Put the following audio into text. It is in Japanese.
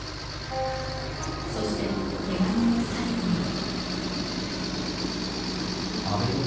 そして手紙の最後には。